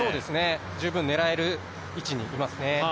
十分狙える位置にいますね。